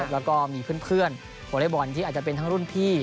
แล้วก็มีเพื่อนวอเล็กบอลที่อาจจะเป็นทั้งรุ่นพี่